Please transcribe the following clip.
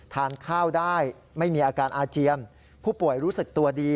ทานข้าวได้ไม่มีอาการอาเจียนผู้ป่วยรู้สึกตัวดี